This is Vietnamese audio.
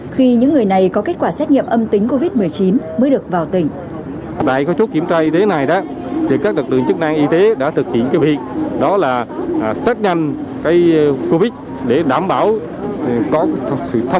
khi những người này có kết quả xét nghiệm âm tính covid một mươi chín mới được vào tỉnh